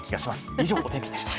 以上、お天気でした。